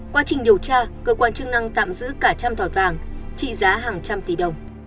quá trình điều tra cơ quan chức năng tạm giữ cả trăm thỏi vàng trị giá hàng trăm tỷ đồng